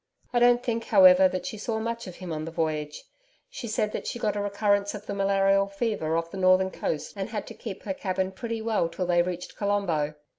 I don't think, however, that she saw much of him on the voyage. She said that she got a recurrence of the malarial fever off the northern coast and had to keep her cabin pretty well till they reached Colombo.